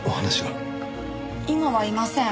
今はいません。